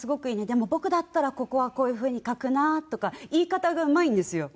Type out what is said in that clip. でも僕だったらここはこういう風に書くな」とか言い方がうまいんですよ。